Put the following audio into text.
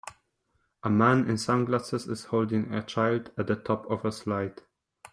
a man in sunglasses is holding a child at the top of a slide